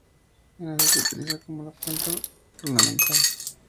En Asia se la utiliza como planta ornamental.